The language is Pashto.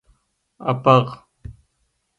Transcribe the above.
افغ